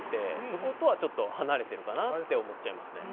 そことはちょっと離れているかなって思っちゃいますね。